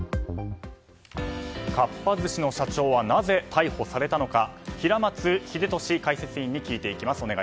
かっぱ寿司の社長はなぜ逮捕されたのか平松秀敏解説委員に聞いていきます。